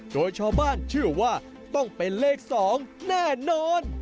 โดยชาวบ้านเชื่อว่าต้องเป็นเลข๒แน่นอน